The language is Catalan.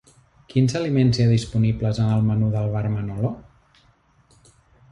Quins aliments hi ha disponibles en el menú del bar Manolo?